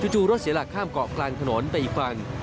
จู่รถเสียหลักข้ามเกาะกลางถนนไปอีกฝั่ง